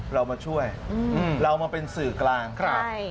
เรามาช่วยเรามาเป็นสื่อกลางครับ